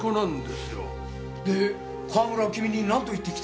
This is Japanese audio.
で川村は君になんと言ってきたんだ？